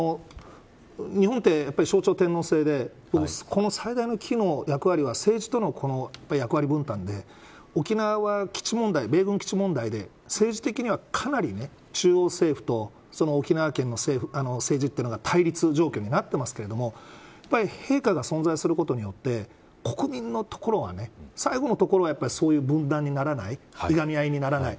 日本って象徴天皇制でこの最大機能の役割は政治との役割分担で沖縄は米軍基地問題で政治的には、かなり中央政府と沖縄県の政治というのが対立状況になっていますけれどもやっぱり陛下が存在することによって国民のところは、最後のところはそういう、分断にならないいがみ合いにならない。